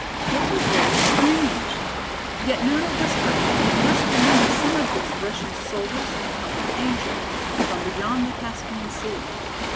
It was very strange! Yet Nona whispered that they must remember some of these Russian soldiers had come from Asia, from beyond the Caspian Sea.